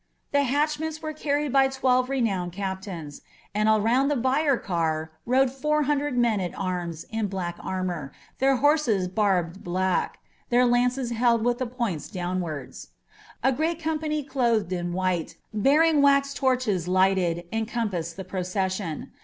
The hatchments were carried by t«el»e renowned Mp« Bins ; and around the bier car rode four hnndreil men at arms in black _ ■nnotir, their horses barbed black, their lances held with the poinM H^pwnwards. A great company clothed in white, bearing wnx iorchc^ HB|kteti, encompassed the procession.